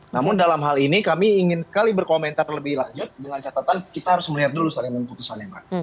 namun dalam hal ini kami ingin sekali berkomentar lebih lanjut dengan catatan kita harus melihat dulu salinan putusannya mbak